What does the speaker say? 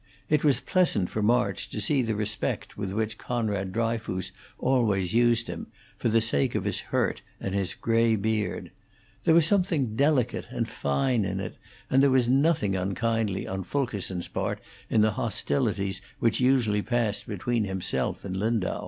It was pleasant for March to see the respect with which Conrad Dryfoos always used him, for the sake of his hurt and his gray beard. There was something delicate and fine in it, and there was nothing unkindly on Fulkerson's part in the hostilities which usually passed between himself and Lindau.